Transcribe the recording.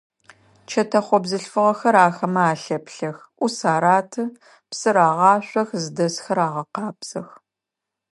Чэтэхъо бзылъфыгъэхэр ахэмэ алъэплъэх, ӏус араты, псы рагъашъох, зыдэсхэр агъэкъабзэх.